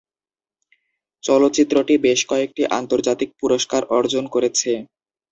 চলচ্চিত্রটি বেশ কয়েকটি আন্তর্জাতিক পুরস্কার অর্জন করেছে।